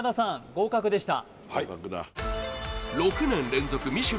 合格でした